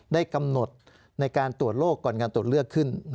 ได้กำหนดในการตรวจโรคก่อนการตรวจเลือกขึ้น